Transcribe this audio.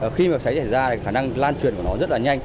khi mà cháy cháy ra khả năng lan truyền của nó rất là nhanh